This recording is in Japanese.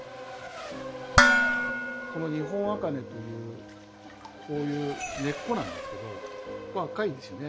この日本茜というこういう根っこなんですけどまあ赤いんですよね。